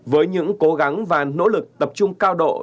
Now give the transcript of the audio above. với những cố gắng và nỗ lực tập trung cao độ